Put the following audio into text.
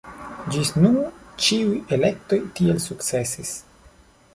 Ĝis nun ĉiuj elektoj tiel sukcesis.